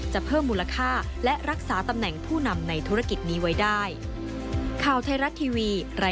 เพิ่มมูลค่าและรักษาตำแหน่งผู้นำในธุรกิจนี้ไว้ได้